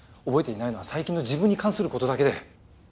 覚えていないのは最近の自分に関する事だけで。